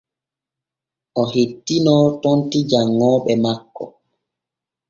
O hettinoo tonti janŋooɓe makko.